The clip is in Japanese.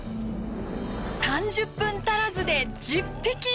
３０分足らずで１０匹。